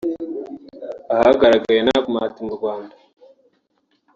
uhagarariye Nakumatt mu Rwanda